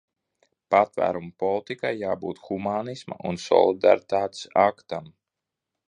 Patvēruma politikai jābūt humānisma un solidaritātes aktam.